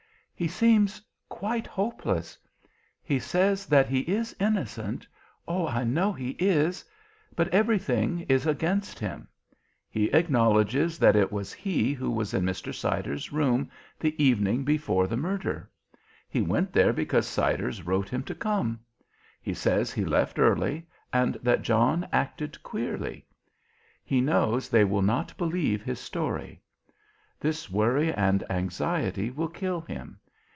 "He seems quite hopeless. He says that he is innocent oh, I know he is but everything is against him. He acknowledges that it was he who was in Mr. Siders' room the evening before the murder. He went there because Siders wrote him to come. He says he left early, and that John acted queerly. He knows they will not believe his story. This worry and anxiety will kill him.